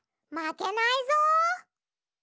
まけないぞ！